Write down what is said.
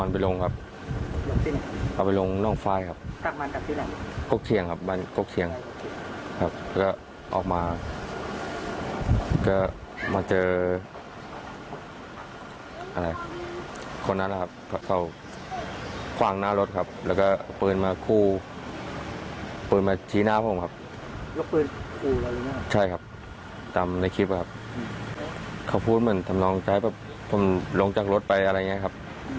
ปืนมาทีหน้าของผมครับ